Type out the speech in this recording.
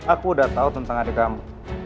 aku udah tahu tentang adik kamu